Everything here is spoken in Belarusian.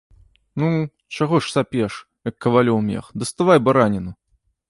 Ну, чаго ж сапеш, як кавалёў мех, даставай бараніну.